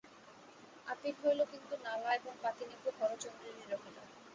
Appeal হইল কিন্তু নালা এবং পাতিনেবু হরচন্দ্রেরই রহিল।